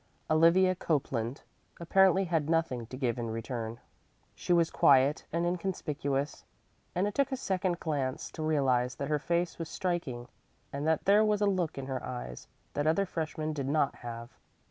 Olivia Copeland apparently had nothing to give in return. She was quiet and inconspicuous, and it took a second glance to realize that her face was striking and that there was a look in her eyes that other freshmen did not have.